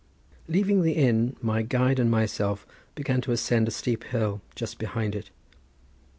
Leaving the inn my guide and myself began to ascend a steep hill just behind it.